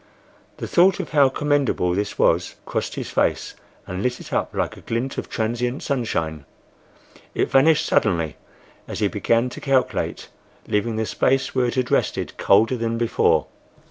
The thought of how commendable this was crossed his face and lit it up like a glint of transient sunshine. It vanished suddenly as he began to calculate, leaving the place where it had rested colder than before.